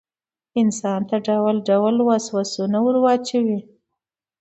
انسان ته ډول ډول وسواسونه وراچوي.